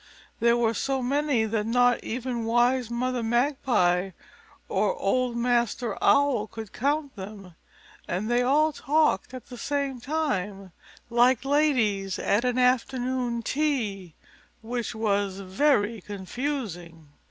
There were so many that not even wise Mother Magpie or old Master Owl could count them, and they all talked at the same time, like ladies at an afternoon tea, which was very confusing.